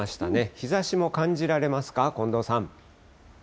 日ざしも感じられますか、近藤さ